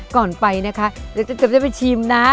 ก่อนไปนะคะจะไปชิมนะ